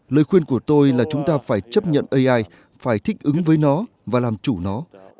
lời khuyên của tôi là chúng ta phải chấp nhận ai phải thích ứng với nó và làm chủ nó